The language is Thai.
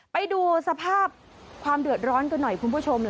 ไปดูสภาพความเดือดร้อนกันหน่อยคุณผู้ชม